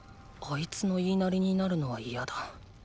あいつの言いなりになるのは嫌だ。